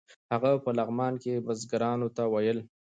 هغه په لغمان کې بزګرانو ته ویل.